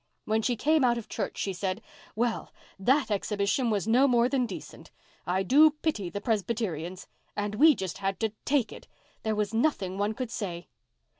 When she came out of church she said, 'Well, that exhibition was no more than decent. I do pity the Presbyterians.' And we just had to take it. There was nothing one could say."